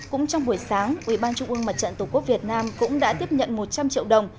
cũng trong buổi sáng ủy ban trung ương mặt trận tổ quốc việt nam cũng đã tiếp nhận một trăm linh triệu đồng